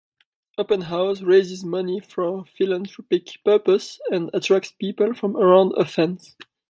Open House raises money for philanthropic purpose and attracts people from around Athens.